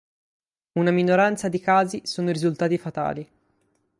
Una minoranza di casi sono risultati fatali.